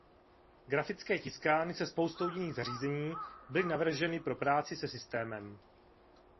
Grafické tiskárny se spoustou jiných zařízení byly navrženy pro práci se systémem.